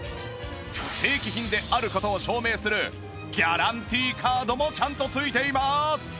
正規品である事を証明するギャランティカードもちゃんと付いています